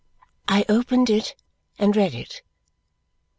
I opened it and read it.